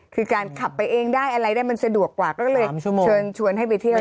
คือการขับไปเองได้อะไรได้มันสะดวกกว่าก็เลย